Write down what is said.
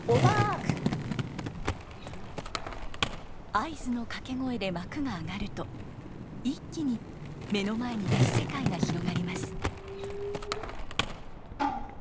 合図の掛け声で幕が上がると一気に目の前に別世界が広がります。